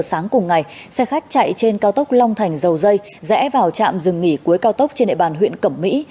sáng cùng ngày xe khách chạy trên cao tốc long thành dầu dây rẽ vào trạm dừng nghỉ cuối cao tốc trên địa bàn huyện cẩm mỹ